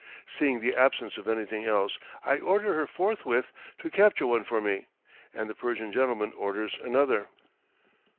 Seeing the absence of anything else, I order her forthwith to capture one for me, and the Persian gentleman orders another.